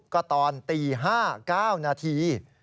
ก็ตอนตี๕๙นาที